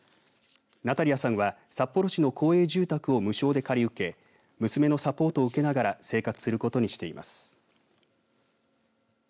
ナタリアさんは札幌市の公営住宅を無償で借り受け娘のサポートを受けながら生活することにしています。